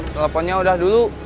teleponnya udah dulu